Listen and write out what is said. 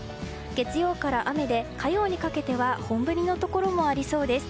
月曜から雨で火曜にかけては本降りのところもありそうです。